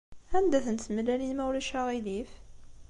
Anda-tent tmellalin ma ulac aɣilif?